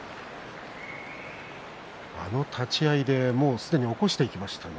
あの立ち合いで、すでに起こしていきましたね。